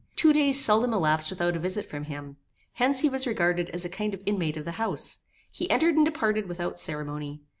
Two days seldom elapsed without a visit from him; hence he was regarded as a kind of inmate of the house. He entered and departed without ceremony.